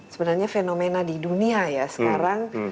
sebenarnya fenomena di dunia ya sekarang